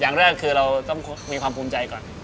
อย่างแรกคือเราต้องมีความภูมิใจก่อน